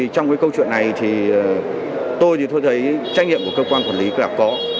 trong câu chuyện này thì tôi thấy trách nhiệm của cơ quan quản lý là có